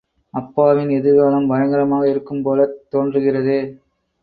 அப்பாவின் எதிர்காலம் பயங்கரமாக இருக்கும் போலத் தோன்றுகிறதே!...